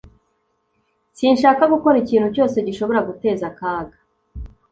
sinshaka gukora ikintu cyose gishobora guteza akaga